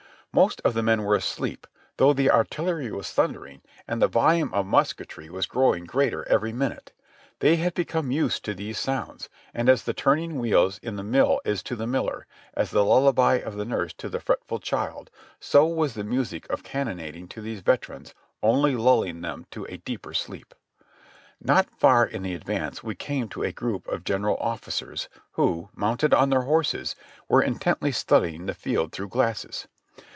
Most of the men were asleep, though the artillery was thundering and the volume of musketry was growing greater every minute. They had become used to these sounds, and as the turning wheels in the mill is to the miller, as the lullaby of the nurse to the fretful child, so was the music of cannonading to these veterans, only lulling them to a deeper sleep. Not far in the advance we came upon a group of general offi cers who, mounted on their horses, were intently studying the field through glasses.